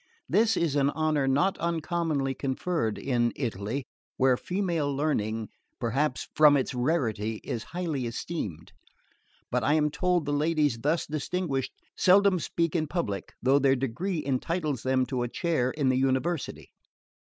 This is an honour not uncommonly conferred in Italy, where female learning, perhaps from its rarity, is highly esteemed; but I am told the ladies thus distinguished seldom speak in public, though their degree entitles them to a chair in the University.